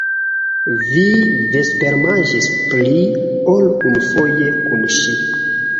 Vi vespermanĝis pli ol unufoje kun ŝi.